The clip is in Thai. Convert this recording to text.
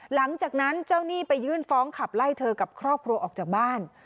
หลังจากนั้นเจ้าหนี้ไปยื่นฟ้องขับไล่เธอกับครอบครัวออกจากบ้าน